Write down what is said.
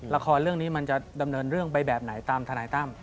ละครเรื่องนี้มันจะดำเนินเรื่องไปแบบไหนตามทนายตั้ม